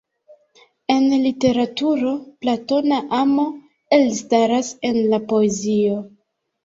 En literaturo platona amo elstaras en la poezio.